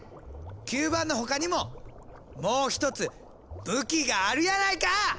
吸盤のほかにももう一つ武器があるやないか！